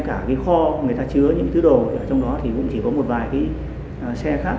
cả cái kho người ta chứa những thứ đồ ở trong đó thì cũng chỉ có một vài cái xe khác